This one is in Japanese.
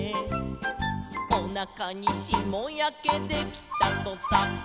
「おなかにしもやけできたとさ」